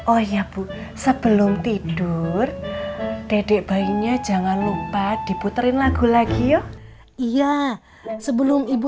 oh iya bu sebelum tidur dedek bayinya jangan lupa diputerin lagu lagi yuk iya sebelum ibu